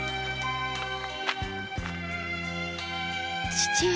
父上！